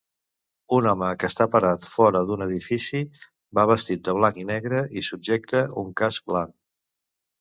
Un home que està parat fora d'un edifici va vestit de blanc i negre i subjecta un casc blanc.